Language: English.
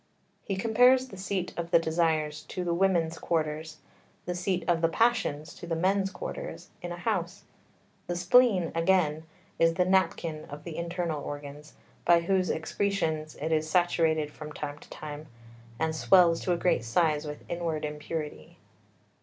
He compares the seat of the desires to the women's quarters, the seat of the passions to the men's quarters, in a house. The spleen, again, is the napkin of the internal organs, by whose excretions it is saturated from time to time, and swells to a great size with inward impurity.